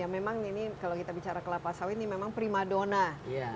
ya memang ini kalau kita bicara kelapa sawit ini memang prima dona